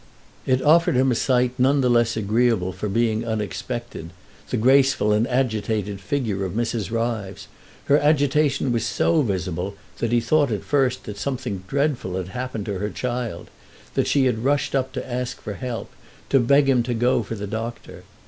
It offered him a sight none the less agreeable for being unexpected—the graceful and agitated figure of Mrs. Ryves. Her agitation was so visible that he thought at first that something dreadful had happened to her child—that she had rushed up to ask for help, to beg him to go for the doctor.